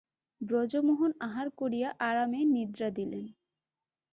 ব্রজমোহন আহার করিয়া আরামে নিদ্রা দিলেন।